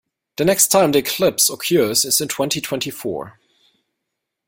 The next time the eclipse occurs is in twenty-twenty-four.